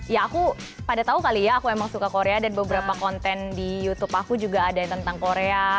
ya aku pada tahu kali ya aku emang suka korea dan beberapa konten di youtube aku juga ada yang tentang korea